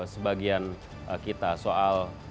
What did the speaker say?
sebagian kita soal